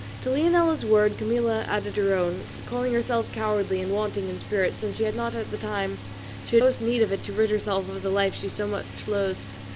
To Leonela's words Camilla added her own, calling herself cowardly and wanting in spirit, since she had not enough at the time she had most need of it to rid herself of the life she so much loathed.